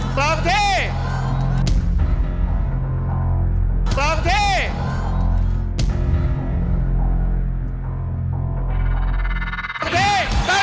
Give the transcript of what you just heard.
คุณแม่ดูนะ